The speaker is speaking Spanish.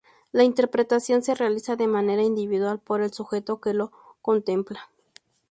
La interpretación se realiza de manera individual por el sujeto que lo contempla.